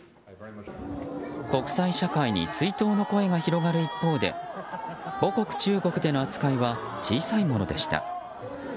国際社会に追悼の声が広がる一方で母国・中国での扱いは小さいものでした。